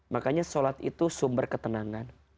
makanya sholat itu sumber ketenangan